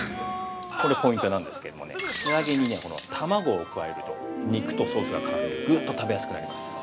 ◆これポイントなんですけれども仕上げに卵を加えると肉とソースが絡まりぐっと食べやすくなります。